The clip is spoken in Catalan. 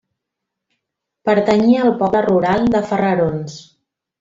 Pertanyia al poble rural de Ferrerons.